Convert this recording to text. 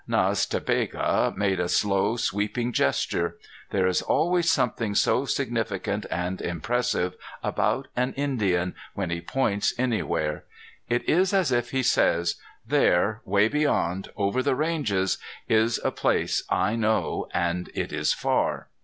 Nas ta Bega made a slow sweeping gesture. There is always something so significant and impressive about an Indian when he points anywhere. It is as if he says, "There, way beyond, over the ranges, is a place I know, and it is far."